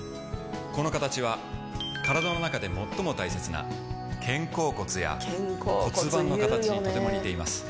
この形は体の中で最も大切な肩甲骨や骨盤の形にとても似ています。